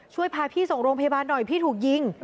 ช่วยพาพี่ส่งโรงพยาบาลหน่อยพี่ถูกยิง